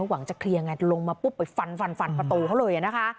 หวังจะเคลียร์ไงลงมาปุ๊บไปฟันฟันฟันประตูเขาเลยนะคะ